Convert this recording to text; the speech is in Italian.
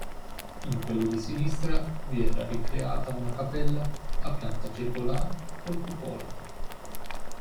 In quello di sinistra vi era ricreata una cappella a pianta circolare con cupola.